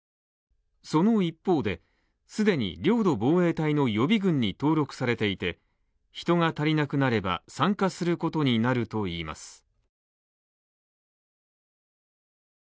その一方で既に領土防衛隊の予備軍に登録されていて人が足りなくなれば参加することになるといいます。